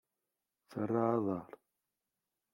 Terra aḍar.